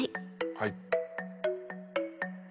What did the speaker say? はい。